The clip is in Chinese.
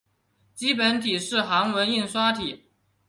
基本体是一种韩文印刷体。